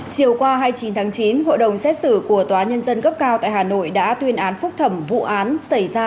chiều qua hai mươi chín tháng chín hội đồng xét xử của tòa nhân dân cấp cao tại hà nội đã tuyên án phúc thẩm vụ án xảy ra